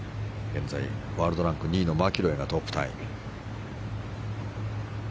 現在、ワールドランク２位のマキロイがトップタイ。